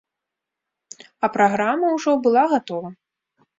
А праграма ўжо была гатова.